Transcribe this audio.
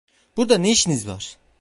Burada ne işiniz var?